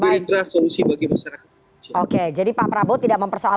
dari bertiga baru saja world wide tentara yang tinggal indah jakarta hargana mereka